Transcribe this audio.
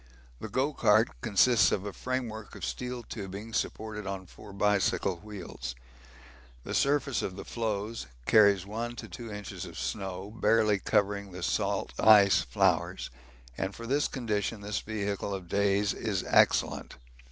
The 'go cart' consists of a framework of steel tubing supported on four bicycle wheels. The surface of the floes carries 1 to 2 inches of snow, barely covering the salt ice flowers, and for this condition this vehicle of Day's is excellent.